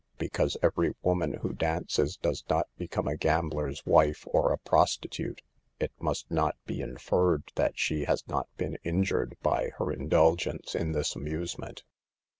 Because every woman who dances does not become a gambler's wife or a prostitute it must not be inferred that she has not been injured by her indulgence in this amusement.